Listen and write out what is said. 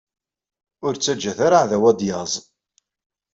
Ur ttaǧǧat ara aɛdaw ad d-yaẓ.